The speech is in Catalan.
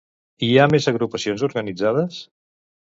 Hi ha més agrupacions organitzades?